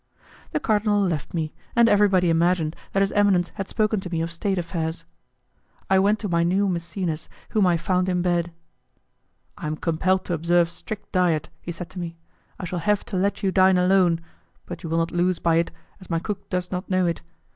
The cardinal left me, and everybody imagined that his eminence had spoken to me of state affairs. I went to my new Maecenas, whom I found in bed. "I am compelled to observe strict diet," he said to me; "I shall have to let you dine alone, but you will not lose by it as my cook does not know it.